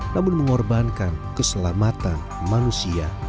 namun mengorbankan keselamatan manusia